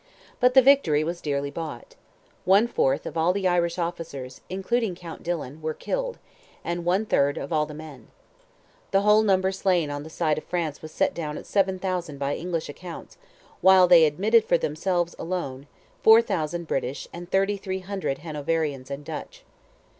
But the victory was dearly bought. One fourth of all the Irish officers, including Count Dillon, were killed, and one third of all the men. The whole number slain on the side of France was set down at 7,000 by English accounts, while they admitted for themselves alone, 4,000 British and 3,300 Hanoverians and Dutch.